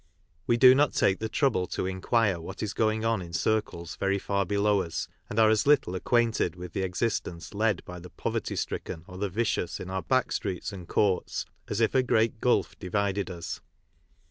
We do not take the trouble to inquire what is going on in circles very far below us, and are as little acquainted with the existenee led by the poverty stricken or the vicious in our back streets and courts as if a great gulf divided us.